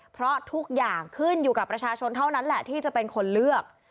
เพราะทุกอย่างขึ้นอยู่กับประชาชนเท่านั้นแหละที่จะเป็นคนเลือก